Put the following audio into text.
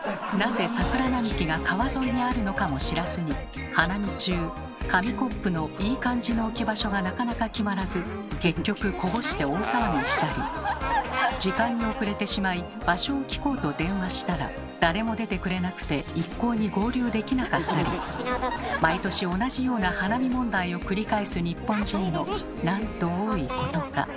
なぜ桜並木が川沿いにあるのかも知らずに花見中紙コップのいい感じの置き場所がなかなか決まらず結局こぼして大騒ぎしたり時間に遅れてしまい場所を聞こうと電話したら誰も出てくれなくて一向に合流できなかったり毎年同じような花見問題を繰り返す日本人のなんと多いことか。